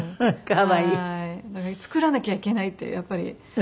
可愛い。作らなきゃいけないってやっぱり思う。